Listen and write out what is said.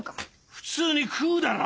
普通に食うだろ！